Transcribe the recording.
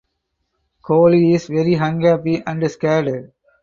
Koly is very unhappy and scared.